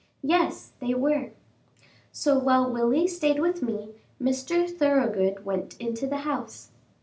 Yes, they were. So, while Willie stayed with me, Mr. Thoroughgood went into the house.